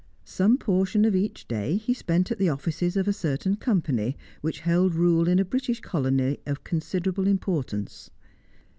Some portion of each day he spent at the offices of a certain Company, which held rule in a British colony of considerable importance.